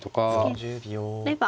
突ければ。